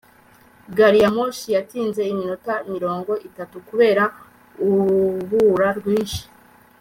gariyamoshi yatinze iminota mirongo itatu kubera urubura rwinshi